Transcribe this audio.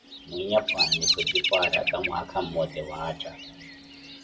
Mwinyapwaani kujipu araka, mwaka mmote waatta